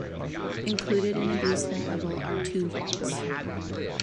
Included in a basement level are two vaults.